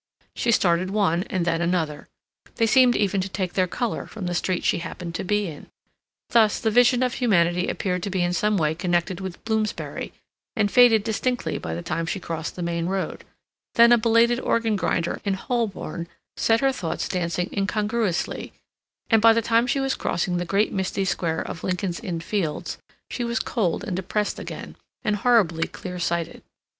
She started one and then another. They seemed even to take their color from the street she happened to be in. Thus the vision of humanity appeared to be in some way connected with Bloomsbury, and faded distinctly by the time she crossed the main road; then a belated organ grinder in Holborn set her thoughts dancing incongruously; and by the time she was crossing the great misty square of Lincoln's Inn Fields, she was cold and depressed again, and horribly clear sighted.